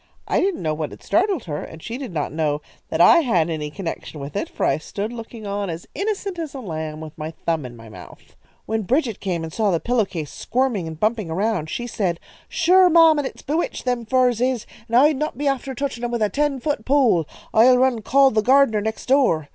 I didn't know what had startled her, and she did not know that I had any connection with it, for I stood looking on as innocent as a lamb, with my thumb in my mouth. "When Bridget came and saw the pillow case squirming and bumping around, she said, 'Shure, ma'am, an' it's bewitched them furs is, and I'd not be afther touching 'em wid a tin fut pole. I'll run call the gard'ner next dure.'